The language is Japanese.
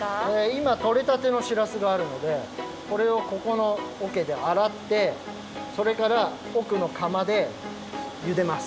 いまとれたてのしらすがあるのでこれをここのおけであらってそれからおくのかまでゆでます。